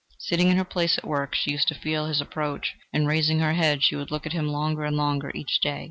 Sitting in her place at work, she used to feel his approach; and raising her head, she would look at him longer and longer each day.